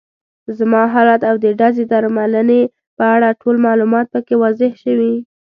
زما حالت او د زړې درملنې په اړه ټول معلومات پکې واضح شوي.